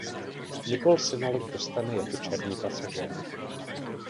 Nicole se na loď dostane jako černý pasažér.